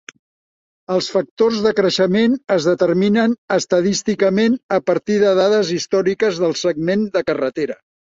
Els factors de creixement es determinen estadísticament a partir de dades històriques del segment de carretera.